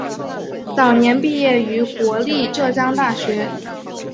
早年毕业于国立浙江大学。